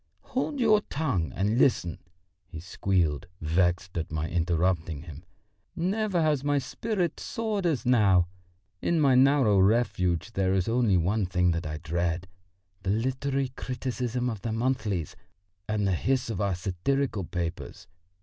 "Hold your tongue and listen!" he squealed, vexed at my interrupting him. "Never has my spirit soared as now. In my narrow refuge there is only one thing that I dread the literary criticisms of the monthlies and the hiss of our satirical papers.